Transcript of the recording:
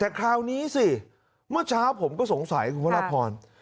แต่คราวนี้สิเมื่อเช้าผมก็สงสัยคุณพระราพร